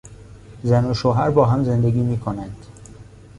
زن و شوهر با هم زندگی میکنند.